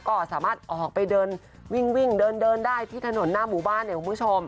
ก็สามารถออกไปเดินวิ่งเดินเดินได้ที่ถนนหน้าหมู่บ้านเนี่ยคุณผู้ชม